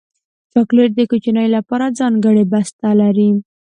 چاکلېټ د کوچنیو لپاره ځانګړی بسته لري.